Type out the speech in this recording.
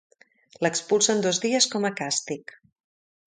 L'expulsen dos dies com a càstig.